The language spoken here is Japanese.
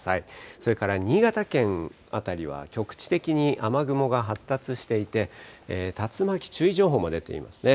それから新潟県辺りは、局地的に雨雲が発達していて、竜巻注意情報も出ていますね。